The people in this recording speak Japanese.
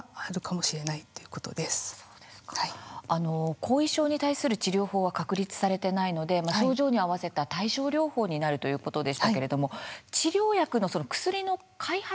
後遺症に対する治療法は確立されてないので症状に合わせた対症療法になるということでしたけれども治療薬の薬の開発みたいなのはされてないんでしょうか？